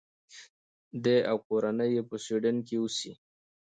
دی او کورنۍ یې په سویډن کې اوسي.